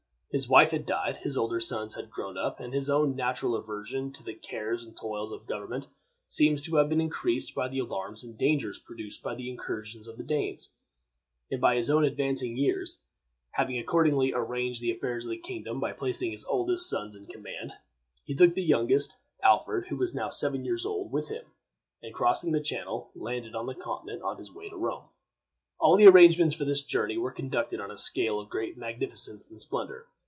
His wife had died, his older sons had grown up, and his own natural aversion to the cares and toils of government seems to have been increased by the alarms and dangers produced by the incursions of the Danes, and by his own advancing years. Having accordingly arranged the affairs of the kingdom by placing his oldest sons in command, he took the youngest, Alfred, who was now seven years old, with him, and, crossing the Channel, landed on the Continent, on his way to Rome. All the arrangements for this journey were conducted on a scale of great magnificence and splendor.